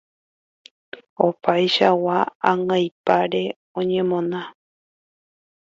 Opaichagua ãngaipáre oñemona.